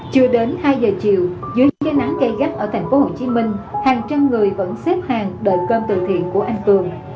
chưa đến hai giờ chiều dưới gió nắng gây gấp ở thành phố hồ chí minh hàng trăm người vẫn xếp hàng đợi cơm từ thiện của anh cường